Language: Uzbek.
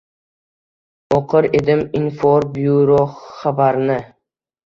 O’qir edim informbyuro xabarini.